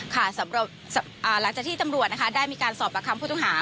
ค่ะหลังจากที่ตำรวจได้มีการสอบประคัมผู้ต้องหา